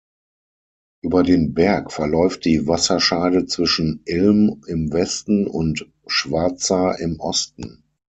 Über den Berg verläuft die Wasserscheide zwischen Ilm im Westen und Schwarza im Osten.